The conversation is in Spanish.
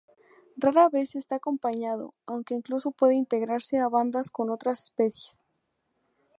Rara vez está acompañado, aunque incluso puede integrarse a bandas con otras especies.